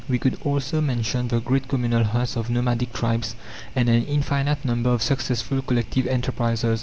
We could also mention the great communal hunts of nomadic tribes, and an infinite number of successful collective enterprises.